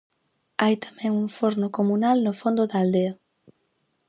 Hai tamén un forno comunal no fondo da aldea.